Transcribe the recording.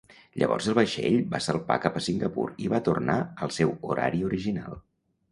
Llavors el vaixell va salpar cap a Singapur i va tornar al seu horari original.